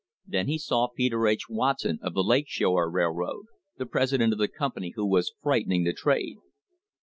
Then he saw Peter H. Watson of the Lake Shore Railroad, the president of the company which was frightening the trade.